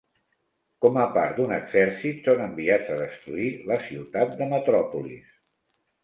Com a part d'un exèrcit, són enviats a destruir la ciutat de Metropolis.